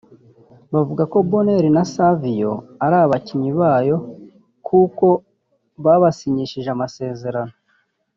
bavuga ko Bonheur na Savio ari abakinnyi bayo kuko babasinyishije amasezerano